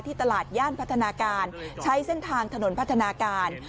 ตลาดย่านพัฒนาการใช้เส้นทางถนนพัฒนาการ